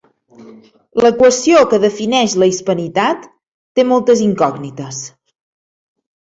L'equació que defineix la hispanitat té moltes incògnites.